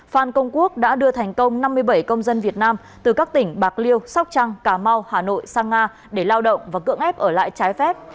phan công quốc đã đưa thành công năm mươi bảy công dân việt nam từ các tỉnh bạc liêu sóc trăng cà mau hà nội sang nga để lao động và cưỡng ép ở lại trái phép